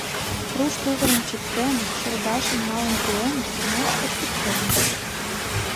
Руш тувырым чиктен, шергашым налын пуэн, кинош коштыктен...